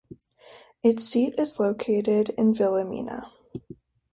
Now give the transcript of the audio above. Its seat is located in Vilhelmina.